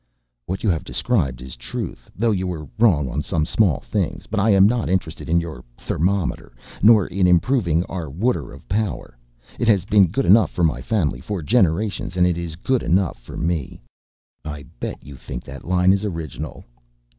"What you have described is the truth, though you were wrong on some small things. But I am not interested in your thermometer nor in improving our water of power, it has been good enough for my family for generations and it is good enough for me...." "I bet you think that line is original?"